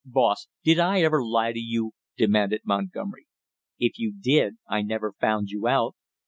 "Boss, did I ever lie to you?" demanded Montgomery. "If you did I never found you out."